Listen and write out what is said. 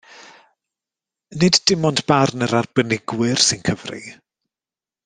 Nid dim ond barn yr arbenigwyr sy'n cyfri